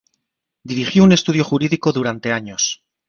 Dirigió un estudio jurídico durante años.